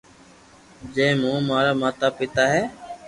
جي مون ٻي مارا ماتا پيتا ھي